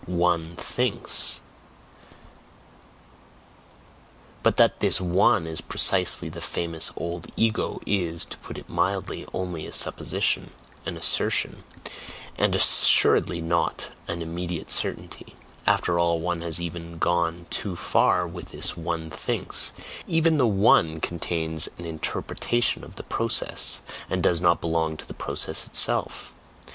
ONE thinks; but that this "one" is precisely the famous old "ego," is, to put it mildly, only a supposition, an assertion, and assuredly not an "immediate certainty." After all, one has even gone too far with this "one thinks" even the "one" contains an INTERPRETATION of the process, and does not belong to the process itself.